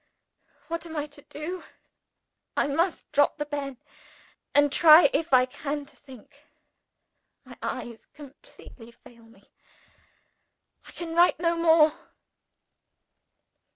what am I to do? I must drop the pen, and try if I can think. My eyes completely fail me. I can write no more.